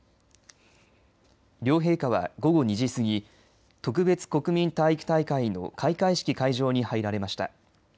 両陛下は午後２時過ぎ特別国民体育大会の開会式会場に入られました。